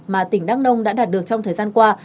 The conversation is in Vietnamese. mà tỉnh đắk nông đã đạt được trong thời gian qua